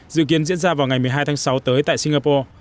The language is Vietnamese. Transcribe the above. dự kiến diễn ra vào ngày một mươi hai tháng sáu tới tại singapore